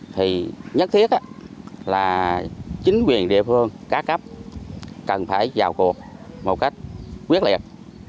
thì nhất thiết là chính quyền địa phương cá cấp cần phải vào cuộc một cách quyết liệt